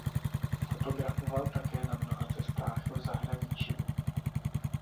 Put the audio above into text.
Fotografoval také na mnoha cestách v zahraničí.